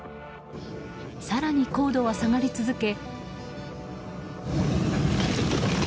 更に高度は下がり続け。